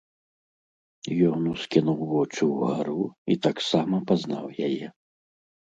Ён ускінуў вочы ўгару і таксама пазнаў яе.